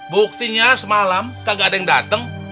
buktinya semalam kagak ada yang datang